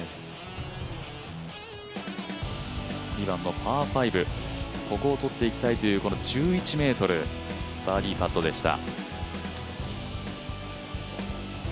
２番のパー５ここをとっていきたいというこの１１ｍ、バーディーパットでした。